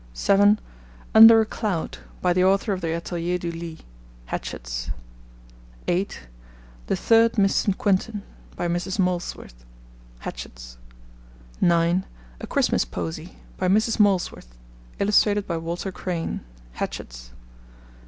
(7) Under a Cloud. By the Author of The Atelier du Lys. (Hatchards.) (8) The Third Miss St. Quentin. By Mrs. Molesworth. (Hatchards.) (9) A Christmas Posy. By Mrs. Molesworth. Illustrated by Walter Crane. (Hatchards.)